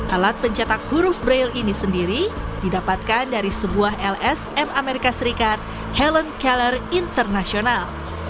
alat pencetak huruf braille ini sendiri didapatkan dari sebuah lsm amerika serikat helen keller internasional